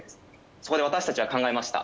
そこで私たちは考えました。